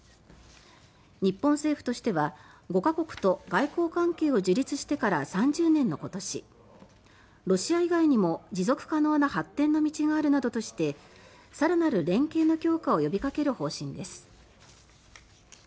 日本政府としては５か国と外交関係を樹立してから３０年の今年ロシア以外にも持続可能な発展の道があるなどとして更なる連携の強化を呼びかける方針です。